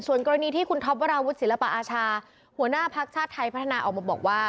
ส่วนกรณีที่คุณท็อปวราวุฒิศิลปะอาชาหัวหน้าภักดิ์ชาติไทยพัฒนาออกมาบอกว่า